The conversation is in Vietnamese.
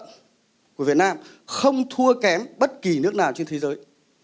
năng suất lao động của việt nam không thua kém bất kỳ nước nào trên thế giới